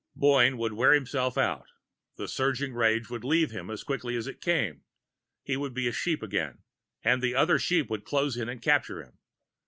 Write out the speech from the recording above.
Boyne would wear himself out the surging rage would leave him as quickly as it came; he would be a sheep again and the other sheep would close in and capture him.